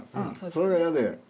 それが嫌で。